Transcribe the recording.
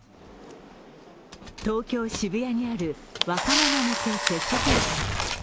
東京・渋谷にある若者向け接種センター。